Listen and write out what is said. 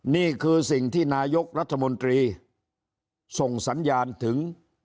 นี่คือสิ่งที่นายกรัฐมนตรีส่งสัญญาณถึง